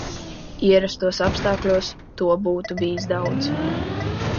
Ierastos apstākļos to būtu bijis daudz.